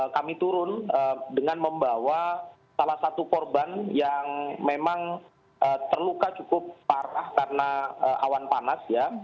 kami turun dengan membawa salah satu korban yang memang terluka cukup parah karena awan panas ya